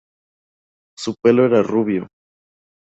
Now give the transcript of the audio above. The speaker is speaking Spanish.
Su pelo era rubio.